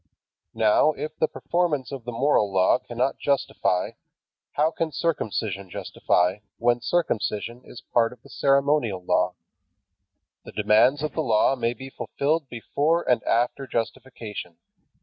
Now, if the performance of the moral law cannot justify, how can circumcision justify, when circumcision is part of the ceremonial law? The demands of the Law may be fulfilled before and after justification.